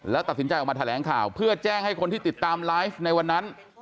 แล้วตัดสินใจออกมาแถลงข่าวเพื่อแจ้งให้คนที่ติดตามไลฟ์ในวันนั้น